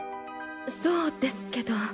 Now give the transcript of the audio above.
そうですけど。